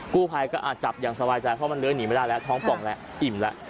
กู้ภัยก็จับอย่างสบายใจเพราะมันเลื้อยหนีไม่ได้แล้วท้องป่องแล้วอิ่มแล้ว